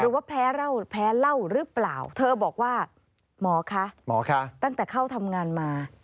ว่าแพ้เหล้าหรือเปล่าเธอบอกว่าหมอคะหมอคะตั้งแต่เข้าทำงานมา